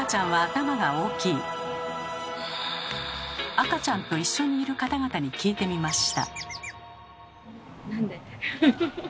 赤ちゃんと一緒にいる方々に聞いてみました。